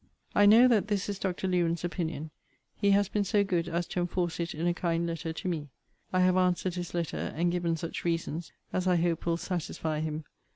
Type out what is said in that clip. I know that this is Dr. Lewen's opinion. He has been so good as to enforce it in a kind letter to me. I have answered his letter; and given such reasons as I hope will satisfy him.